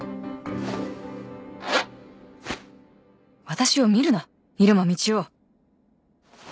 私を見るな入間みちお